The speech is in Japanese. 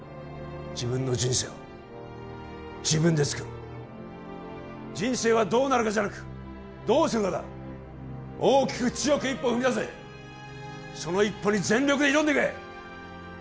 自分の人生は自分で作る人生はどうなるかじゃなくどうするかだ大きく強く一歩を踏み出せその一歩に全力で挑んでけ！